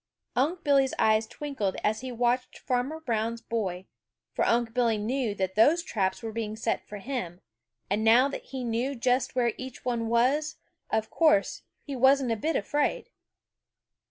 Unc' Billy's eyes twinkled as he watched Farmer Brown's boy, for Unc' Billy knew that those traps were being set for him, and now that he knew just where each one was, of course he wasn't a bit afraid.